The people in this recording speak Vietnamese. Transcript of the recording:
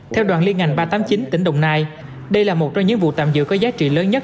theo đoàn liên ngành ba trăm tám mươi chín tỉnh đồng nai đây là một trong những vụ tạm giữ có giá trị lớn nhất